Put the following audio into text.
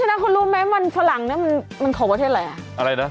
นั้นคุณรู้ไหมมันฝรั่งเนี่ยมันของประเทศอะไรอ่ะอะไรนะ